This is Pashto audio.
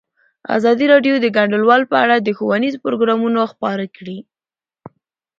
ازادي راډیو د کډوال په اړه ښوونیز پروګرامونه خپاره کړي.